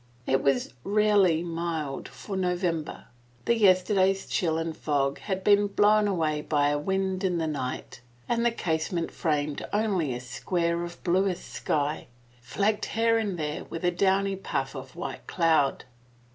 It was rarely mild for November. The yesterday's chill and fog had been blown away by a wind in the night and the casement framed only a square of bluest sky, flecked here and there with a downy puff of white cloud.